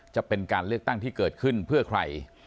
จะเป็นการเลือกตั้งที่เกิดขึ้นเพื่อใคร